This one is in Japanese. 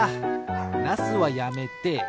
ナスはやめて。